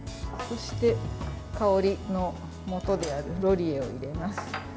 そして、香りのもとであるローリエを入れます。